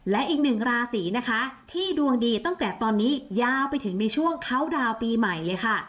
และอีกหนึ่งราศีนะคะที่ดวงดีตั้งแต่ตอนนี้ยาวไปถึงในช่วงเขาดาวน์ปีใหม่เลยค่ะ